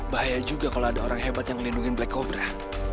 bahaya juga kalau ada orang hebat yang melindungi black cobra